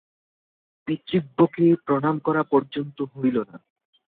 পিতৃব্যকে প্রণাম করা পর্যন্ত হইল না।